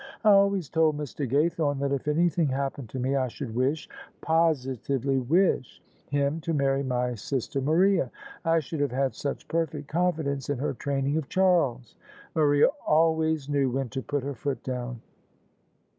I always told Mr. Ga3rthome that if any thing happened to me I should wish — positively wish — him to marry my sister Maria. I should have had such perfect confidence in her training of Charles. Maria always knew when to put her foot down."